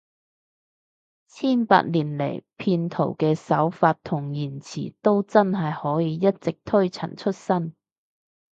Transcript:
千百年來，騙徒嘅手法同言辭都真係可以一直推陳出新